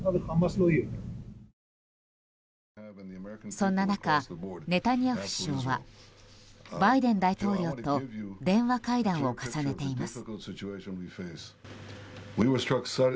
そんな中、ネタニヤフ首相はバイデン大統領と電話会談を重ねています。